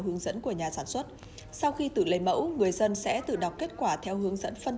hướng dẫn của nhà sản xuất sau khi tự lấy mẫu người dân sẽ tự đọc kết quả theo hướng dẫn phân